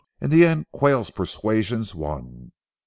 In the end Quayle's persuasions won.